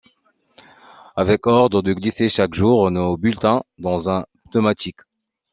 Avec ordre de glisser chaque jour nos bulletins dans un pneumatique.